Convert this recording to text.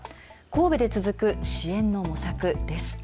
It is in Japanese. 神戸で続く支援の模索です。